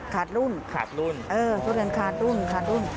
ขาดรุ่นขาดรุ่นเออขาดรุ่นขาดรุ่น